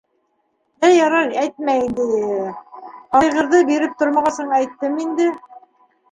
Йә ярай, әйтмә инде... һарайғырҙы биреп тормағасың әйттем инде.